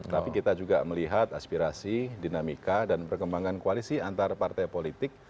tapi kita juga melihat aspirasi dinamika dan perkembangan koalisi antar partai politik